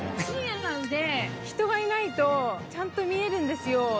深夜なので人がいないとちゃんと見えるんですよ